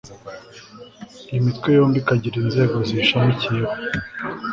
iyi mitwe yombi ikagira inzego ziyishamikiyeho